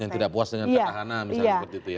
yang tidak puas dengan peta hana misalnya